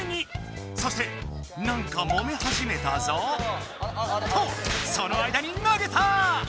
そしてなんかもめ始めたぞ！とその間に投げた！